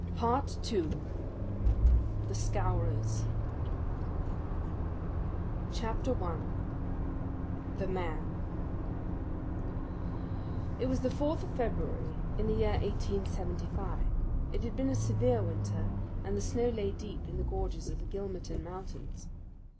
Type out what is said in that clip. Part 2 The Scowrers Chapter 1 The Man It was the fourth of February in the year 1875. It had been a severe winter, and the snow lay deep in the gorges of the Gilmerton Mountains.